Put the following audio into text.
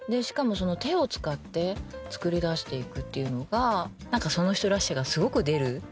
しかも手を使って作り出していくっていうのがその人らしさがすごく出る。